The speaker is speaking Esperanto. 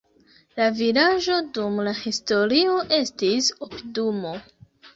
La vilaĝo dum la historio estis opidumo.